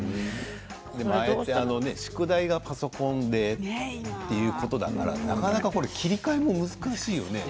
ああやって宿題がパソコンでということだからなかなか切り替えも難しいよね。